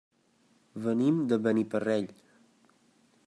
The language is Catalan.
Venim de Beniparrell.